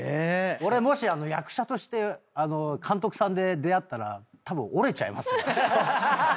俺もし役者として監督さんで出会ったらたぶん折れちゃいますよ。